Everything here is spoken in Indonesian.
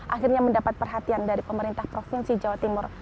akhirnya mendapat perhatian dari pemerintah provinsi jawa timur